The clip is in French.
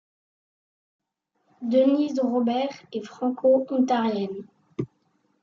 Denise Robert est Franco-ontarienne.